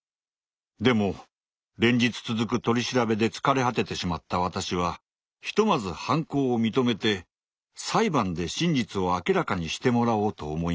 でも連日続く取り調べで疲れ果ててしまった私はひとまず犯行を認めて裁判で真実を明らかにしてもらおうと思いました。